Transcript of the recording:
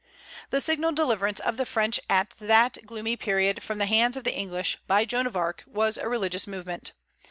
The signal deliverance of the French at that gloomy period from the hands of the English, by Joan of Arc, was a religious movement.